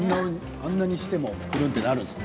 あんなにしてもくるんとなるんですね。